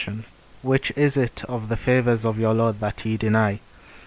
P: Which is it, of the favours of your Lord, that ye deny?